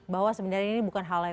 bahwa sebenarnya ini bukan hal yang